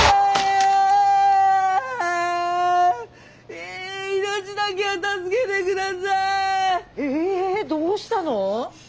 ええどうしたの？